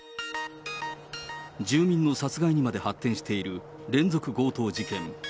住民の殺害にまで発展している連続強盗事件。